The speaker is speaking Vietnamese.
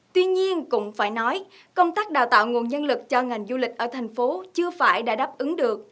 tuy nhiên cũng phải nói công tác đào tạo nguồn nhân lực cho ngành du lịch ở thành phố chưa phải đã đáp ứng được